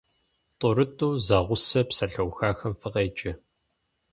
ТӀурытӀу зэгъусэ псалъэухахэм фыкъеджэ.